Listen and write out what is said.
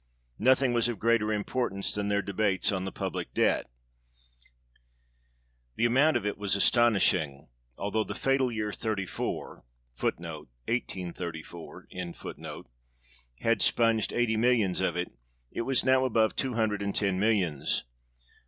Nothing was of greater importance than their debates on the public debt : the amount of it was astonishing ; although the fatal year thirty four 1 had spunged eighty millions of it, it was now above two hundred and ten millions.